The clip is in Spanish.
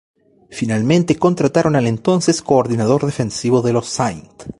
Finalmente contrataron al entonces coordinador defensivo de los St.